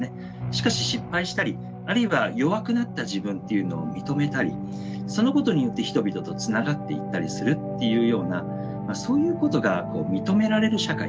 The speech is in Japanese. しかし失敗したりあるいは弱くなった自分っていうのを認めたりそのことによって人々とつながっていったりするっていうようなそういうことが認められる社会。